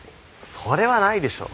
それはないでしょ。